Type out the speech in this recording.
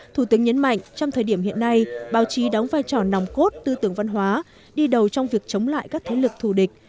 thủ tướng nhấn mạnh trong thời điểm hiện nay báo chí đóng vai trò nòng cốt tư tưởng văn hóa đi đầu trong việc chống lại các thế lực thù địch